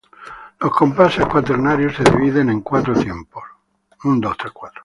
Los compases cuaternarios se dividen en cuatro tiempos.